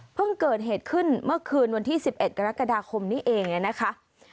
เกิดเหตุขึ้นเมื่อคืนวันที่๑๑กรกฎาคมนี้เองนะคะ